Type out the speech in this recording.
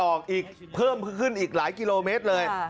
ออกอีกเพิ่มขึ้นอีกหลายกิโลเมตรเลย